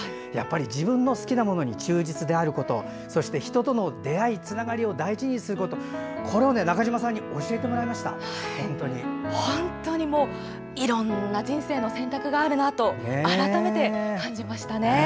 自分の好きなものに忠実であることそして人との出会い、つながりを大事にすることこれを中島さんにいろんな「人生の選択」があるなと改めて感じましたね。